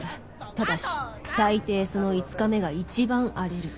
ただし大抵その５日目が一番荒れる